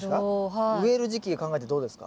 植える時期で考えてどうですか？